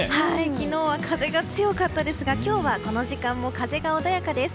昨日は風が強かったですが今日はこの時間も風が穏やかです。